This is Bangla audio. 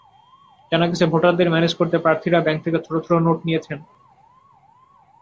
জানা গেছে, ভোটারদের ম্যানেজ করতে প্রার্থীরা ব্যাংক থেকে ছোট ছোট নোট নিয়েছেন।